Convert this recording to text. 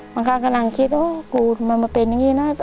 บางครั้งกำลังคิดว่ากูมันมาเป็นอย่างนี้นะ